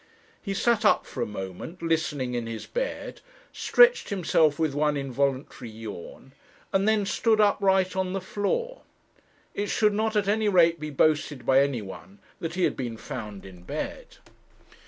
He sat up for a moment, listening in his bed, stretched himself with one involuntary yawn, and then stood upright on the floor. It should not at any rate be boasted by any one that he had been found in bed.